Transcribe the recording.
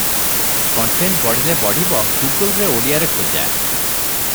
Content ବଢ଼ିଲେ ବଢ଼ିବ ଗୁଗୁଲରେ ଓଡ଼ିଆରେ ଖୋଜା ।